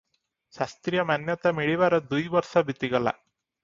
ଶାସ୍ତ୍ରୀୟ ମାନ୍ୟତା ମିଳିବାର ଦୁଇ ବର୍ଷ ବିତିଗଲା ।